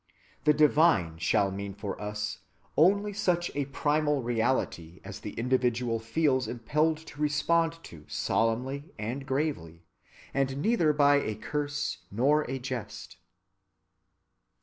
The divine shall mean for us only such a primal reality as the individual feels impelled to respond to solemnly and gravely, and neither by a curse nor a jest.